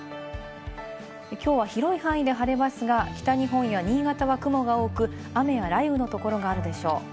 きょうは広い範囲で晴れますが、北日本や新潟は雲が多く雨や雷雨のところがあるでしょう。